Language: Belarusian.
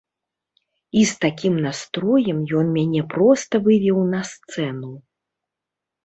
І з такім настроем ён мяне проста вывеў на сцэну.